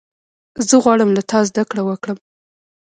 زه غواړم له تا زدهکړه وکړم.